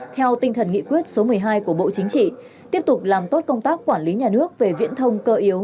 theo tinh thần nghị quyết số một mươi hai của bộ chính trị tiếp tục làm tốt công tác quản lý nhà nước về viễn thông cơ yếu